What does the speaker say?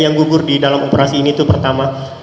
yang gugur di dalam operasi ini itu pertama